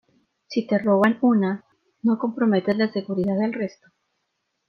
si te roban una, no comprometes la seguridad del resto